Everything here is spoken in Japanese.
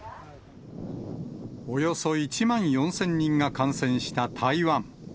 およそ１万４０００人が感染した台湾。